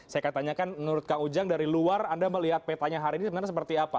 saya akan tanyakan menurut kang ujang dari luar anda melihat petanya hari ini sebenarnya seperti apa